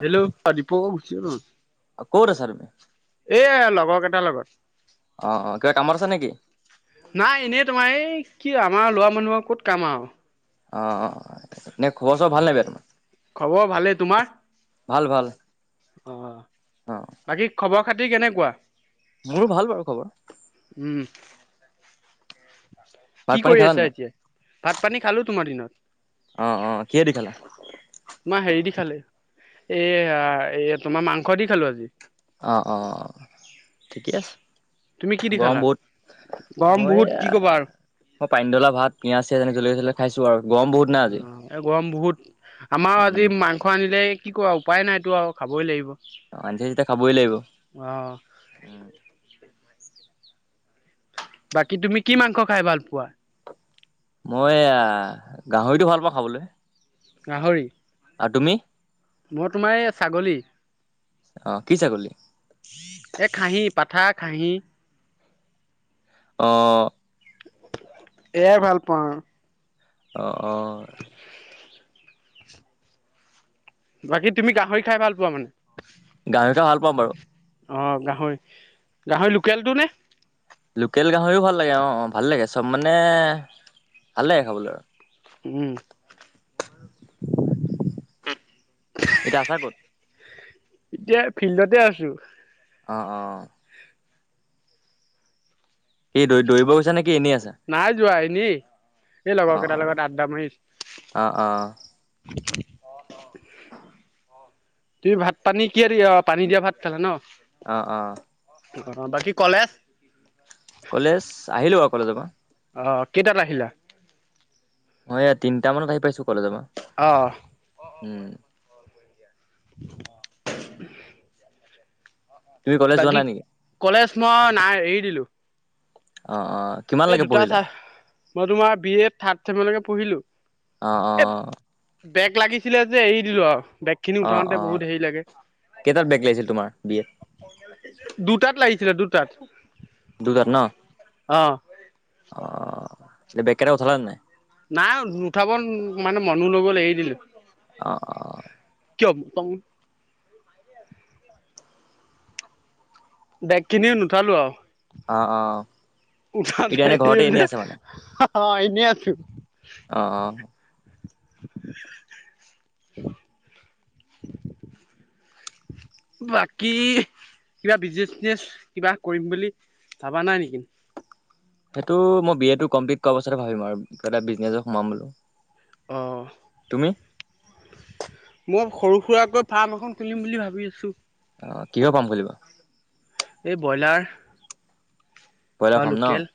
হেল্' প দীপুি কত আছা তুমি কেইটাৰ অ', অ', কিবা কামত আছা নেকি? লগত নাই এনেই তোমাৰ এই কি আমাৰ লৰা মানুহৰ ক'ত কাম আৰু অ অ নে খবৰ চবৰ ভাল নাই বেয়া খবৰ ভালেই তোমাৰ তোমাৰ ভাল ভাল অ অ', বাকী খবৰ খাতিৰ কেনেকুৱা মোৰো ভাল বাৰু খবৰ উম ভাত কি পানী কৰি খালা আছা নাই? এতিয়া ভাত পানী খালো তোমাৰ দিনত অ অ কি দেখালা এ এ তোমাৰ মাংস দি খালো আজি অ', অ', ঠিকে আছে। তুমি কি দি গৰম খালা বহুত গৰম বহুত মইয়া কি ক'বা আৰু অ মই পানী ঢলা ভাত পিয়াজ চিয়াজ এনে [unintelligible] অ', এ গৰম বহুত। আমাৰ উম, আজি মাংস আনিলে কি কৰা উপায় নাইটো আৰু খাবই লাগিব। অ', আনিছা যেতিয়া খাবই লাগিব, উম। বাকী তুমি কি মাংস খাই ভাল পোৱা? মই গাহৰিটো ভাল পাওঁ খাবলৈ গাহৰি আৰু তুমি মই তোমাৰ এই ছাগলী অ কি ছাগলি এ খাহী পাঠা খাহি অ'। এয়াই ভাল পাওঁ আৰু। অ', অ'। বাকী তুমি গাহৰি খাই ভাল পোৱা মানে? গাহৰি খাই ভাল পাওঁ বাৰু। অ', গাহৰি গাহৰি লোকেলটো নে? লোকেল গাহৰিও ভাল লাগে অ', ভাল লাগে চব মানে, ভাল লাগে খাবলৈ। উম। এতিয়া আছা ক'ত? এতিয়া ফিল্ডতে আছোঁ। অ', অ'। উ কি দৌ-দৌৰিব গৈছা নে কি এনেই আছা? নাই যোৱাই এনে। এই অ', লগৰকেইটাৰ লগত আড্ডা মাৰিছোঁ। অ', অ', তুমি ভাত পানী কিয় দি অ, পানী দিয়া ভাত খালা ন'। অ', অ'। বাকী কলেজ? কলেজ আহিলোঁ আকৌ কলেজৰ পৰা। অ', কেইটাত আহিলা? মই এই তিনটা মানত আহি পাইছোঁ কলেজৰ পৰা, অ' উম। তুমি কলেজ যোৱা বাকী নাই নেকি? কলেজ মই নাই এৰি দিলোঁ। অ', অ', কিমান লাগে পঢ়িলা? চা মই তোমাৰ বি এড থাৰ্ড চেমৰলৈকে পঢ়িলো। অ', অ'। বেক লাগিছিলে যে এৰি দিলোঁ আৰু। বেক খিনি অ', উঠাওতে অ', বহুত হেৰি লাগে। কেইটাত বেক লাগিছিল তোমাৰ বি এত? দুটাত লাগিছিলে দুটাত, দুটাত ন? অ'। অ', বেককেইতা উঠালা নে নাই? নাই নুঠাব মানে মনো নগ'ল এৰি দিলোঁ। অ', অ'। কিয় [inaudible] বেকখিনিও নুঠালো আৰু। অ', অ', উঠাত এতিয়া এনে দেৰি ঘৰতে এনেই হ'লে আছা মানে? [unintelligible] এনে আছোঁ। অ', অ'। [inaudible] [inaudible] বাকী কিবা বিজনেচ-চিজনেছ কিবা কৰিম বুলি ভাবা নাই নেকি সেইটো মই বি এ টো কমপ্লিট কৰাৰ পাছতহে ভাবিম আৰু কিবা এটা বিজনেছত সোমাম বোলো। অ তুমি? মই সৰু খুৰাকৈ ফাৰ্ম এখন খুলিম বুলি ভাবি আছো। অ কিহৰ ফাৰ্ম খুলিবা এই ব্ৰইলাৰ ব্ৰইলাৰ বা ফাৰ্ম ন? লোকেল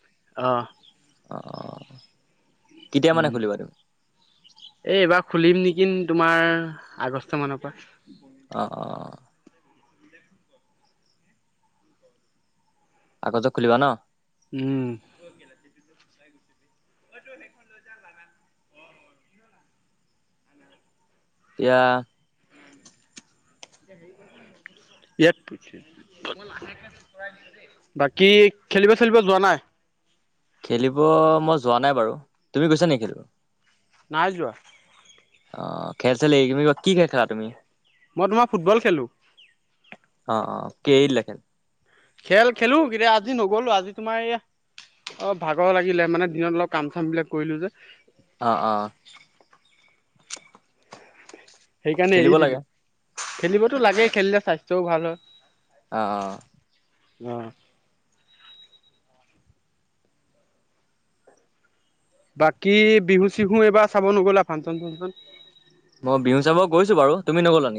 অ', অ'। কেতিয়া মানে উম, খুলিবা তুমি? এইবাৰ খুলিম নেক কিন তোমাৰ আগষ্ট মানৰ পৰা। অ', অ'। আগতে খুলিবা ন'? উম। [inaudible] এতিয়া [inaudible] ইয়াত বাকী খেলিব-চেলিব যোৱা নাই খেলিব মই যোৱা নাই বাৰু তুমি গৈছা নেকি খেলিব নাই যোৱা অ খেল-ছেল হে কি বা কি খেল খেলা তুমি মই তোমাৰ ফুটবল খেলো অ অ এৰি দিলা খেল খেল খেলো কেতিয়াবা আজি নগ'লো আজি তোমাৰ এয়া অ ভাগৰ লাগিলে মানে দিনত অলপ কাম-চাম বিলাক কৰিলো যে অ অ সেইকাৰণে খেলিব এৰি লাগে দিলো খেলিবতো লাগে খেলিলে স্বাস্থ্যও ভাল হয়। অ অ অ বাকী বিহু চিহু এইবাৰ চাব নগ'লা ফাংচন-চাংচন মই বিহু চাব গৈছো বাৰু তুমি নগ'লা?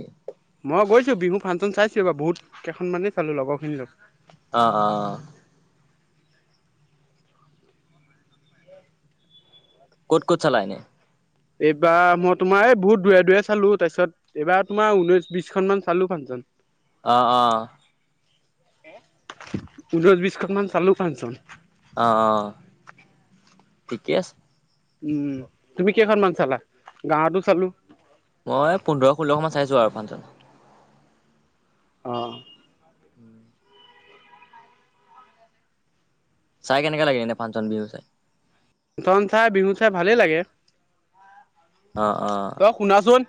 মই গৈছো বিহু ফাংচন চাইছো এইবাৰ বহুত কেইখনমানেই চালো লগৰ খিনি লগত অ অ ক'ত ক'ত চালা এনে এইবাৰ মই তোমাৰ এই বহুত দূৰে-দূৰে চালো তাৰপিছত এইবাৰ তোমাৰ ঊনৈশ বিশখন মান চালো ফাংচন। অ অ ঊনৈছ বিছ খনমান চালো ফাংচন অহ ঠিকে আছে উম তুমি কেই খন মান চলা গাঁৱটো চলো মই পোন্ধৰ ষোল্লখন মান চাইছো আৰু ফাংচন অ [inaudible] চাই কেনেকে লাগিলে এনে ফাংচন বিহু চাই ফাংচন চাই বিহু চাই ভালেই লাগে অ অ তই শুনাচোন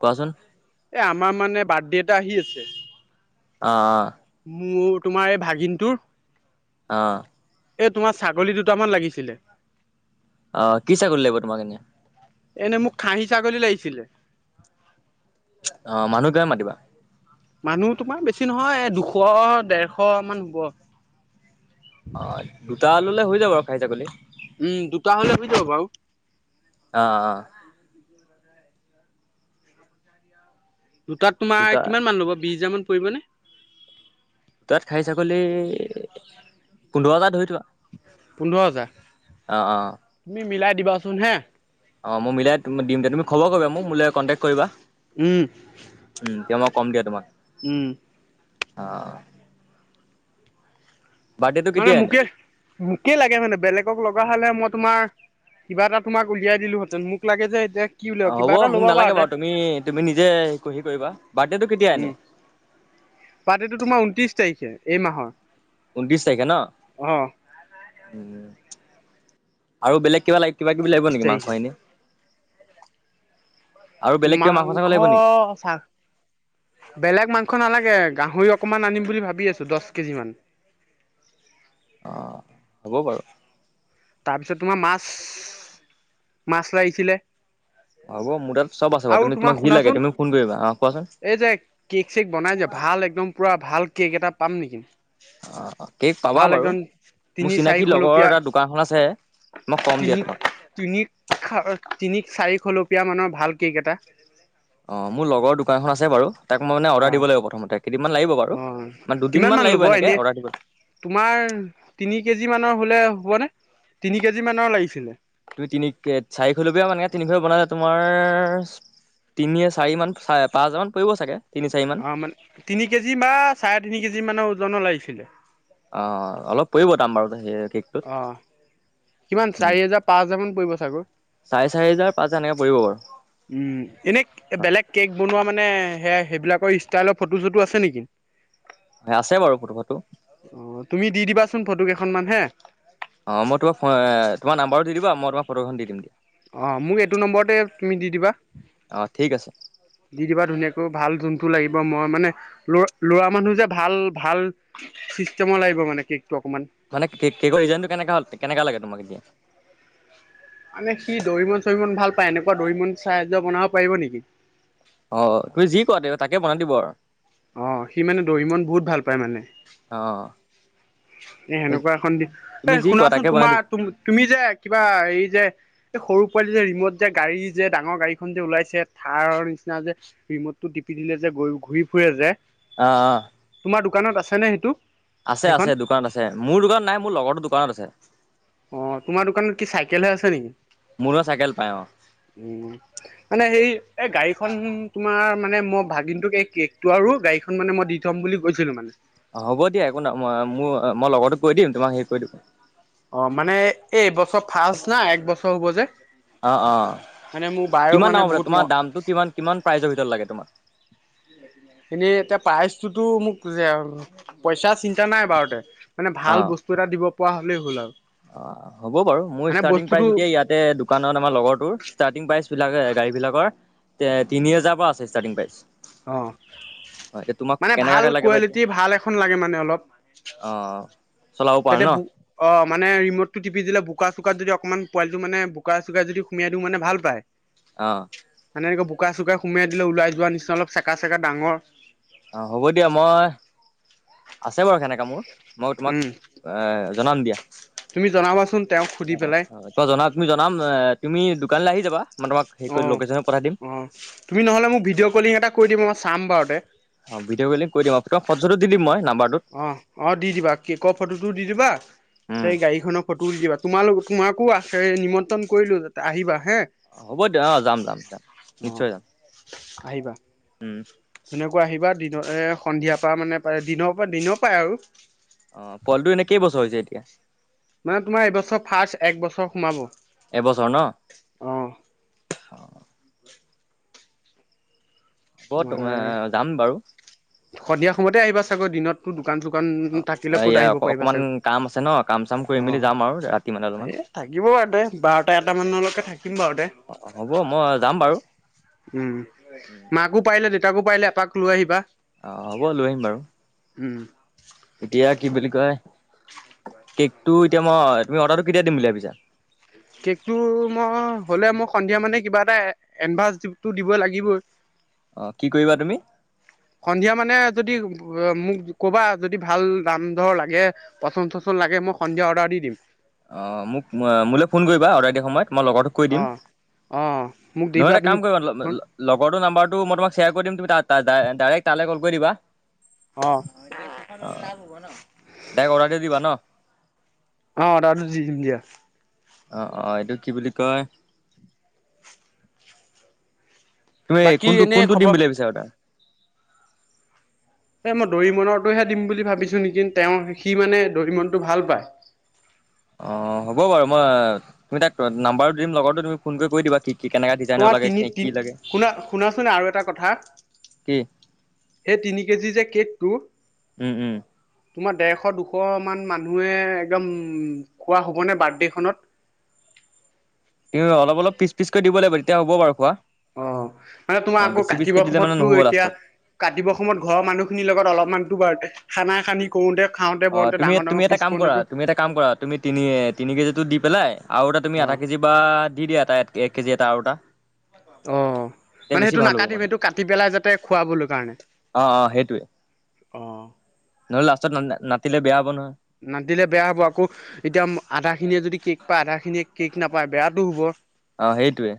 কোৱাচোন এ আমাৰ তোমাৰ মানে বাৰ্থডে এটা আহি আছে অ অ মোৰ তোমাৰ এই ভাগিনটোৰ আহ এ তোমাৰ ছাগলী দুটামান লাগিছিলে অ কি চাকৰি লাগিব তোমাক এনে এনে মোক খাহী ছাগলী লাগিছিলে অ মানুহ কিমান মাতিবা মানুহ তোমাৰ বেছি নহয় দুশ ডেৰশ মান হ'ব। অ', দুটা ল'লে হৈ যাব আৰু খাচী ছাগলী। উম দুটা হ'লে হৈ যাব বাৰু। আহ আহ। দুটাত তোমাৰ দুটা কিমান মান ল'ব, বিশ হাজাৰ মান পৰিব নে? তাত খাহী ছাগলী পোন্ধৰটা ধৰি থোৱা। পোন্ধৰ হাজাৰ অ অ তুমি মিলাই দিবাচোন হে অ মই মিলাই দিম তুমি খবৰ কৰিবা মোক মো কণ্টেক্ট কৰিবা উম উোক কম দিয় তোমাক উম অ বাৰ্থডেটো মানে কেতিয়া এনে মোকে মোকে লাগে মানে বেলেগক লগা হলে মই তোমাৰ কিবা এটা তোমাক উলিয়াই দিলো হেতেন মোক লাগে যে এতিয়া কি অ উলিয়াব হ'ব কিবা এটা মোক ল'বা নালাগে তে বাৰু তুমি তুমি নিজেি কৰিবা বাৰ্থডেটো কেতিয়া উম এনে পাৰ্টীতো তোমাৰ ঊনত্ৰিশ তাৰিখে এই মাহৰ। ঊনত্ৰিশ তাৰিখে ন', অ উ আৰু বেলেগ কিবা লাগ কিবা কিবি লাগিব বিশ নেকি তাৰিখে মাংস এনে আৰু বেলেগ কিবা মাংস চাংস লাগিব নেকি চা বেলেগ মাংস নালাগে তাকে গাহৰি অকমান আনিম বুলি ভাবি আছো দহ কেজি মান। অ', হ'ব বাৰু। তাৰপিছত তোমাৰ মাছ, মাছ লাগিছিলে। হ'ব মোৰ তাত চব আছে বাৰু আৰু তুমি তোমাক তোমাৰ যি লাগে শুনাচোন, তুমি ফোন কৰিবা অ কোৱাচোন এই যে কেক চেক বনাই ভাল একদম পুৰা ভাল কেক এটা পাম নেকি? অ কেক পাবা ভাল বাৰু একদম মোৰ তিনি চিনাকি চাৰি লগৰ খলপীয়া এটা দোকানখন আছে মই কম দিয়া তিনি তোমাক তিনি তিনিক চাৰিখলপীয়া মানৰ ভাল কেক এটা। অ', মোৰ লগৰ দোকানখন আছে বাৰু তাক মই মানে অ অৰ্ডাৰ দিব লাগিব প্ৰথমতে। কেইদিনমান লাগিব বাৰু অ', মানে কিমান দুদিনমান মান লাগিব ল'ব এনেকে এনে অৰ্ডাৰ দিব তোমাৰ তিনি কেজি মানৰ হ'লে হ'ব নে, তিনি কেজি মানৰ লাগিছিলে। তুমি তিনি চাৰিখলপীয়া [unintelligible] তিনিখলপীয়া বনালে তোমাৰ তিনি চাৰি মান চ পাঁচ হাজাৰ মান পৰিব চাগে তিনি চাৰি মান অ', মানে তিনি কেজি বা চাৰে তিনি কেজি মানৰ ওজনৰ লাগিছিলে। অ', অলপ পৰিব দাম বাৰু সেই অ কেকটোত। কিমান উম চাৰি হেজাৰ পাঁচ হাজাৰ মান পৰিব চাগৈ। চাৰে চাৰি হোজাৰ পাঁচ হাজাৰ এনেকে পৰিব বাৰু। উম এনে বেলেগ কেক বনোৱা মানে এ সে সেইবিলাকৰ ষ্টাইলৰ ফটো চটো আছে নেকি? অ', আছে বাৰু ফটো ফটো তুমি দি দিবাচোন ফটো কেইখনমান হে। অ', মই তোমাক তোমাৰ নাম্বাৰ টো দি দিবা মই তোমাক ফটোখন দি দিম দিয়া। অ', মোক এইটো নম্বৰতে তুমি দি দিবা। অ ঠিক আছে দি দিবা ধুনীয়াকৈ ভাল জোনটো লাগিব মই মানে ল ল'ৰা মানুহ যে, ভাল ভাল চিষ্টেমৰ লাগিব মানে কেক মানে কেকৰ ডিজাইনটো কেনেকা হ'ল কেনেকা লাগে তোমাক এতিয়া? মানে সি দৰিমন চৰিমন ভাল এনেকুৱা দৰে'মন চাইজৰ বনাব পাৰিব নেকি? অ তুমি যি কোৱা তে তাকে বনাই দিব আৰু। অ', সি মানে দৰে'মন বহুত ভাল পায় মানে। অ [inaudible] এ সেনেকুৱা এখন দি এ তুমি যি কোৱা শুনাচোন তাকে বনাই তোমাৰ দিব তুমি যে কিবা হেৰি যে এই সৰু কিবা যে ৰিমট যে গাড়ী যে ডাঙৰ গাড়ীখন যে ওলাইছে থাৰৰ নিচিনা যে ৰিমট টো টিপি দিলে যে গ ঘূৰি ফুৰে যে অ', অ'। তোমাৰ দোকানত আছেনে সেইটো। আছে সেইখন আছে দোকানত আছে মোৰ দোকানত নাই মোৰ লগৰ তোৰ দোকানত আছে অ তোমাৰ দোকানত কি চাইকেল হে আছে নেকি মোৰ লগত চাইকেল পায় অ উ মানে সেই এই গাড়ীখন তোমাৰ মানে মই ভাগিনটোক এই কেকটো আৰু গাড়ীখন মানে মই দি থম বুলি গৈছিলো মানে অ হ'ব দিয়া একো নাই মোৰ মই লগৰো কৈ দিম তোমাক সেই কৰি দিব অ মানে এইবছৰ ফাৰ্ষ্ট না এক বছৰ হব যে অ', মানে মোৰ অ', বায়েও কিমান মানে দামৰ বহুত ম তোমাৰ দামটো কিমান কিমান প্ৰাইজৰ ভিতৰত লাগে তোমাক? এনেই এতিয়া প্ৰাইচটোতো মোক পইচা চি এয়া নাই বাৰু দে মানে অ ভাল বস্তু এটা দিব পৰা হলেই হ'ল আৰু। অ', হ'ব বাৰু মোৰ মানে ষ্টাৰ্টিং বস্তুটো প্ৰাইচ এতিয়া ইয়াতে দোকানত আমাৰ লগৰ তৰ ষ্টাৰ্টিং প্ৰাইচ বিলাক গাড়ী বিলাক বিলাক তিনি হাজাৰ পৰা আছে ষ্টাৰ্টিং প্ৰাইচ অ', অ এতিয়া তোমাক মানে ভাল কেনেকাকে লাগে বা এতিয়া কোৱালিটি ভাল এখন লাগে মানে অলপ অ অ চলাব পাৰা ন তেতিয়া অ মানে ৰিমটতটো টিপ দিলে বোকা চোকাত যদি অকণমান পোৱালিটো মানে বোকা চোকাই যদি সোমাই দিও মানে ভাল পায় অ সেনেকা বোকা চোকা সোমাই দিলে ওলাই যোৱাৰ নিচনা অলপ চেকা চেকা ডাঙৰ অ হ'ব দিয়া মই আছে বাৰু সেনেকা মোৰ মই তোমাক উম এ জনাম দিয়া তুমি জনাবাচোন তেওঁক অ সুধি পেলাই কই জ তুমি জনাম তুমি দোকানলৈ আহি যাবা মই তোমাক হেৰি কৰি অঁ লোকেশ্যন পঠাই দিম অঁ তুমি নহ'লে মোক ভিডিঅ' কলিং এটা কৰি দিবা মই চাম বাৰু দে অ ভিডিঅ' কলিং কৰি দিম মই নাম্বাৰটোত অ অ দি দিবা কেকৰ ফটোটো দি দিবা উম গাড়ীখনক ফটো দিবা তোমালোক তোমাকো নিমন্ত্ৰণ কৰিলোঁ আহিবা হে হ'ব দিয়া অ যাম যাম যাম অ', নিশ্চয় যাম আহিবা উম তুমি আহিবা দিন এ সন্ধিয়াৰ পৰা মানে প দিনৰ পৰা দিনৰ পায় আৰু অ পোৱালিটো এনে কেই বছৰ হৈছে এতিয়া মানে তোমাৰ এইবছৰ ফাৰ্ষ্ট এক বছৰ সোমাব এবছৰ ন অ হ'ব তোমাৰ যাম বাৰু সন্ধিয়া সময়তে আহিবা চাগৈ দিনতো দোকান চোকান থাকিলে ক'ত এয়া আহিব পাৰিবা অকমান চাগ কাম আছে ন কাম চাম কৰি অ মেলি যাম আৰু ৰাতি মানে অলপমান এ থাকিব বাৰু দে বাৰটা এটা মানলৈকে থাকিম বাৰু দে অ হ'ব মই যাম বাৰু উম মাকো পাৰিলে দেউতাকো পাৰিলে এপাক লৈ আহিবা আহ হ'ব লৈ আহিম বাৰু উম এতিয়া কি বুলি কয় কেকটো এতিয়া মই তুমি অৰ্ কেতিয়া দিম উলিয়াবিছা কেকটো মই হ'লে মোক সন্ধিয়া মানে কিবা এটা এডভাঞ্চটো দিব লাগিবই অ কি কৰিবা তুমি সন্ধিয়া মানে যদি মোক কবা যদি ভাল দাম ধৰ লাগে পচন্দ চচন্দ লাগে মই সন্ধিয়া অৰ্ডাৰ দিম অ মোক মোলৈ ফোন কৰিবা অৰ্ডাৰ দিয়া সময়ত মই লগৰটোক কৈ দিম অঁ অঁ মোক নহয় দিবা এটা তুমি কাম কৰিবা লগৰটো নাম্বাৰটো মই তোমাক শ্বেয়াৰ কৰি দিম তুমি তাত ত ডাইৰেক্ট তালৈ কল কৰি দিবা অঁ আহ ডাইক অৰ্ডাৰ দি দিবা ন অ ৰাজুজি দিয়া অ অ এইটো কি বুলি কয় তুমি বাকী কোনটো এনেই কোনটো দিম খবৰ বুলি ভাবিছাৰা তা এই মই দৰিমনৰটোহে দিম বুলি ভাবিছো নেকি তেওঁ সি মানে দৰি মনটো ভাল পায় অ হ'ব বাৰু মই তুমি তাক নাম্বাৰটো দিম লগৰটো তুমি ফোন কৰি কৰি দিবা ঠিক তোমাৰ তিনি শুনা শুনাচোন আৰু এটা কথা কি সেই তিনি কেজি যে কেকটো উম উম তোমাৰ ডেৰশ দুশ মান মানুহে একদম উ খোৱা হ'বনেে বাৰ্থডে খত তুম অলপ অলপ পিচ পিচকৈ দিব লাগিব তেতিয়া হ'ব বাৰু খোৱা অ মানে তোমাৰ অ আকৌ বেছি কাটিব বেছিকৈ বৰ দিলে মানে সময়ততো নহ'ব এতিয়া লাষ্টত কাটিবৰ সময়ত ঘৰৰ মানুহখিনিৰ লগত অলপমানতো বাৰোতে সানা সানি কৰোতে খাওঁতে অ বওঁতে তুমি ডাঙৰ তুমি ডাঙৰ এটা পিচ কাম কৰা কৰোতেতো তুমি এটা কাম কৰা তুমি তিনি তিনি কেজি দি পেলাই আৰু এটা তুমি আধা অ' কেজি কেজি বা দি দিয়া এটা এক কেজি এটা আৰু এটা অ তেতিয়া মানে বেছি সেইটো ভাল হ'ব নাকাটিম মানে সেইটো কাটি পেলাই যাতে খুৱ বলে কাৰণে অ অ সেইটোৱে অ নহ'লে লাষ্টত ন নাতিলে বেয়া হ'ব নহয় নাতিলে বেয়া হ'ব আকৌ এতিয়া আধা খিনিয়ে যদি কেক পায় আধা খিনিয়ে কেক নাপায় বেয়াাতটো হ'ব অ সেইটোৱে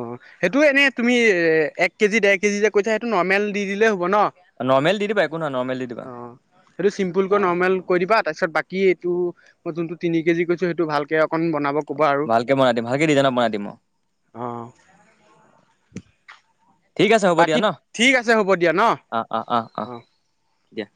অ সেইটো এনে তুমি এ এক কেজি ডেৰ কেজি যে কৈছা সেইটো নৰ্মেল দি দিলে নৰ্মেল দি দিবা একো নহয় নৰ্মেল দি দিবা সেটো চিমপুল অ কৈ নৰমেল দিবা তাৰপিছত বাকী এইটো মই যোনটো তি কেজি কৈছো সেইটো ভালকে অকন বনাব ক'বা আৰু ভালকে বনাই দিম ভালকে ডিজাইনত বনাই দিম অ অ ঠিক আছে হ'ব দিয়া বাকী ন ঠিক আছে হ'ব দিয়া ন অ অ অ অ দিয়া